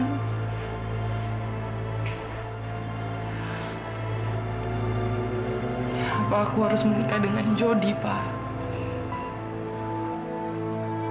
apa aku harus menikah dengan jody pak